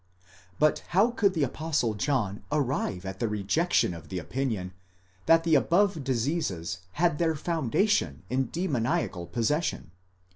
But how could the Apostle John arrive at the rejection of the opinion that the above diseases had their founda tion in demoniacal possession?